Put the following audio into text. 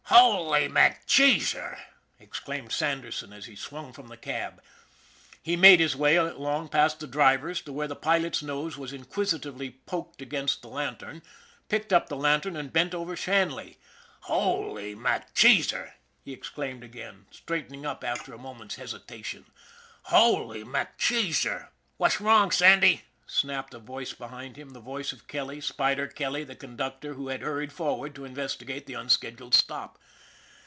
" Holy MacCheesar !" exclaimed Sanderson, as he swung from the cab. He made his way along past the drivers to where the pilot's nose was inquisitively poked against the lantern, picked up the lantern, and bent over Shanley. " Holy MacCheesar !" he exclaimed again, straight ening up after a moment's examination. " Holy Mac Cheesar!" "What's wrong, Sandy?" snapped a voice behind him, the voice of Kelly, Spider Kelly, the conduc tor, who had hurried forward to investigate the tin scheduled stop.